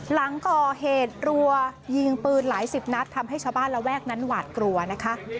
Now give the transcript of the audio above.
หลังก่อเหตุรัวยิงปืนหลายสิบนัดทำให้ชาวบ้านระแวกนั้นหวาดกลัวนะคะ